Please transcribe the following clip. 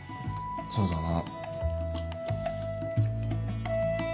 そうだな。